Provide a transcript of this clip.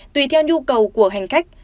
tùy theo nhu cầu của hành khách